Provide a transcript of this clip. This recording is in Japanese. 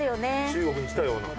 中国に来たような。